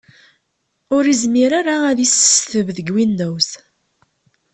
Ur yezmir ara ad isesteb deg Windows.